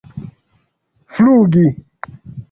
flugi